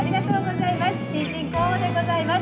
新人候補でございます。